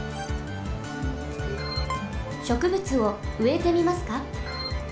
しょくぶつをうえてみますか？